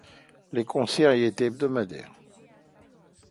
Les concerts y étaient hebdomadaires.